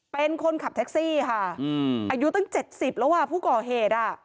เป็นคนขับแท็กซี่ค่ะอายุตั้ง๗๐แล้วอ่ะผู้ก่อเหตุอ่ะ